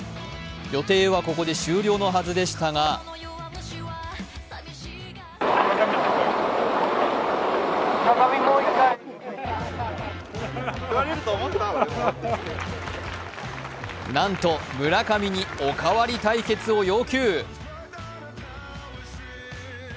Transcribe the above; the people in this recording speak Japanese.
予定はここで終了のはずでしたがなんと村上にお代わり対決を要求。